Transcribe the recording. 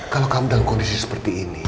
kalau kamu dalam kondisi seperti ini